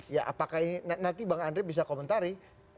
ya apakah ini nanti bang andre bisa komentari